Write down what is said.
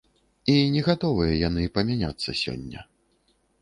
І не гатовыя яны памяняцца сёння.